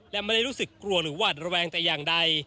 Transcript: และไม่ได้รู้สึกกลัวหรือหวัดระแวงแต่อย่างใด